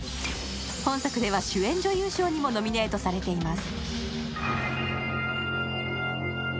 本作では、主演女優賞にもノミネートされています。